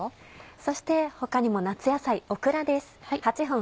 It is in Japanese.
そして他にも夏野菜オクラです。